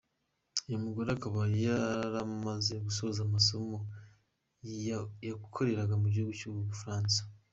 Uyu mugore akaba yaramaze gusoza amasomo yakoreraga mu gihugu cy’u Bufaransa.